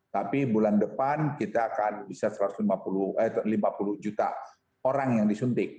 tapi bulan depan kita akan bisa lima puluh juta orang yang disuntik